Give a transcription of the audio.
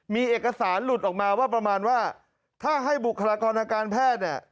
มีเอกสารหลุดออกมาว่าประมาณว่าถ้าให้บุคลากรทางการแพทย์เนี่ย